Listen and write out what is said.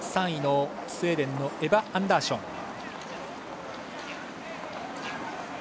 ３位のスウェーデンのエバ・アンダーション。